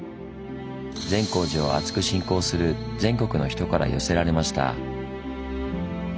善光寺をあつく信仰する全国の人から寄せられました。